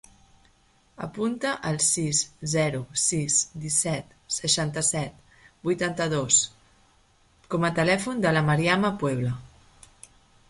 Apunta el sis, zero, sis, disset, seixanta-set, vuitanta-dos com a telèfon de la Mariama Puebla.